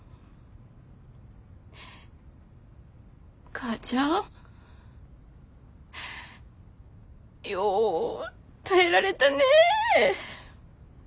母ちゃんよう耐えられたねぇ。